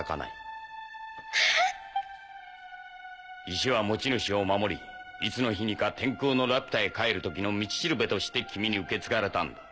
石は持ち主を守りいつの日にか天空のラピュタへ帰る時の道しるべとして君に受け継がれたんだ。